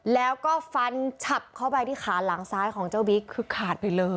แล้วก็ฟันฉับเข้าไปที่ขาหลังซ้ายของเจ้าบิ๊กคือขาดไปเลย